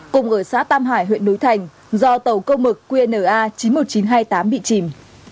cùng ở xã tam hải huyện núi thành do tàu câu mực qna chín mươi một nghìn chín trăm hai mươi tám bị chìm